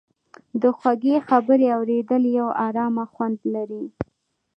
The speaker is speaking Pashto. د خوږې خبرې اورېدل یو ارامه خوند لري.